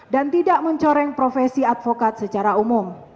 dan tidak mencoreng profesi advokat secara umum